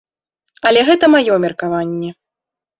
Але гэта маё меркаванне.